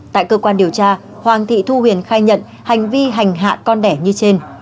tại cơ quan điều tra hoàng thị thu huyền khai nhận hành vi hành hạ con đẻ như trên